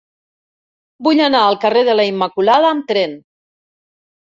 Vull anar al carrer de la Immaculada amb tren.